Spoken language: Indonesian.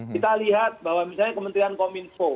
kita lihat bahwa misalnya kementerian kominfo